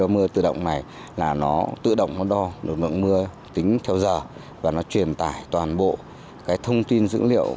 mưa tự động này là nó tự động nó đo được lượng mưa tính theo giờ và nó truyền tải toàn bộ cái thông tin dữ liệu